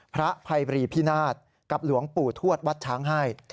พระภัยบรีพินาศกับหลวงปู่ทวดวัดช้างให้